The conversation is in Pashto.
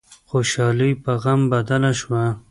خوشحالي په غم بدله شوه.